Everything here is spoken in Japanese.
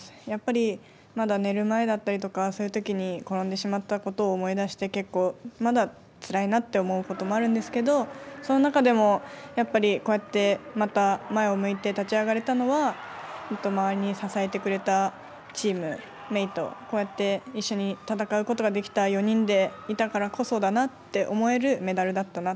やっぱり、まだ寝る前だったりとかそういうときに、転んでしまったことを思い出して、結構まだつらいなって思うこともあるんですけれども、その中でも、やっぱりこうやってまた前を向いて立ち上がれたのはずっと、周りに支えてくれたチームメート、こうやって一緒に戦うことができた４人でいたからこそだなって思